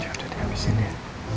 ya udah dihabisin ya